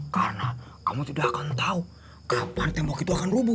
karena kamu tidak akan tahu kapan tembok itu akan rubuh